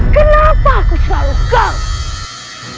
kenapa aku selalu kagum